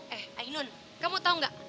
eh ainun kamu tau gak